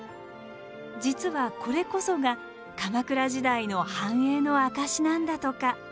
実はこれこそが鎌倉時代の繁栄の証しなんだとか。